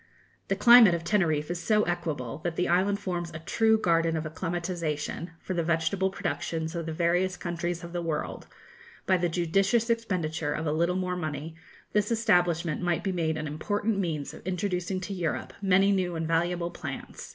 The climate of Teneriffe is so equable, that the island forms a true garden of acclimatisation for the vegetable productions of the various countries of the world; by the judicious expenditure of a little more money, this establishment might be made an important means of introducing to Europe many new and valuable plants.